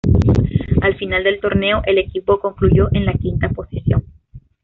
Al final del torneo el equipo concluyó en la quinta posición.